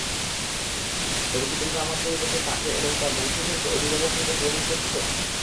তবে কি তোমরা আমার পরিবর্তে তাকে এবং তার বংশধরকে অভিভাবকরূপে গ্রহণ করছ?